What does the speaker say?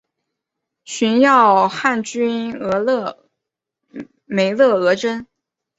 寻擢汉军梅勒额真。